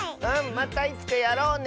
またいつかやろうね！